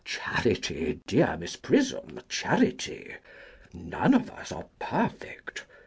] Charity, dear Miss Prism, charity! None of us are perfect.